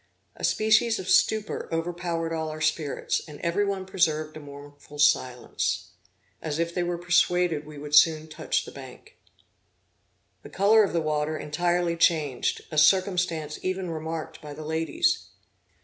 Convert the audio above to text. A species of stupor overpowered all our spirits, and every one preserved a mournful silence, as if they were persuaded we would soon touch the bank. The color of the water entirely changed, a circumstance even remarked by the ladies.